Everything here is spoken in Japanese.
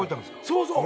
そうそう。